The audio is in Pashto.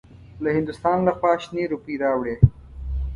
له هندوستان لخوا شنې روپۍ راوړې.